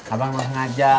abang mau sengaja